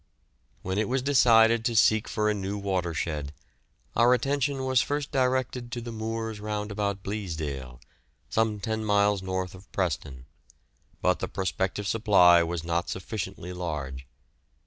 ] When it was decided to seek for a new watershed our attention was first directed to the moors round about Bleasdale, some ten miles north of Preston, but the prospective supply was not sufficiently large.